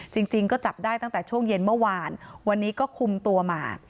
จริงจริงก็จับได้ตั้งแต่ช่วงเย็นเมื่อวานวันนี้ก็คุมตัวมา